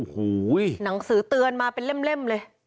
โอ้โหหนังสือเตือนมาเป็นเล่มเลย